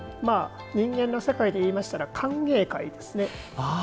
人間の世界で言いましたら歓迎会ですね。